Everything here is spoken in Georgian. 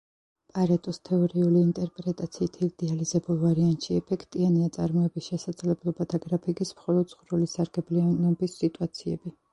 პარეტოს თეორიული ინტერპრეტაციით, იდეალიზებულ ვარიანტში ეფექტიანია წარმოების შესაძლებლობათა გრაფიკის მხოლოდ ზღვრული სარგებლიანობის სიტუაციები.